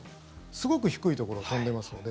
すごく低いところを飛んでいますので。